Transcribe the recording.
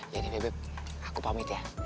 iya ini beb aku pamit ya